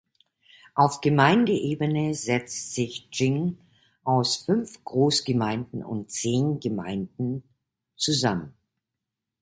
Auf Gemeindeebene setzt sich Xin aus fünf Großgemeinden und zehn Gemeinden zusammen.